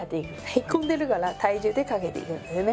へこんでるから体重でかけていくんですよね。